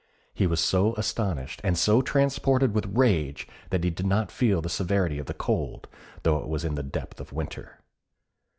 He was so astonished, and so transported with rage, that he did not feel the severity of the cold, though it was in the depth of winter.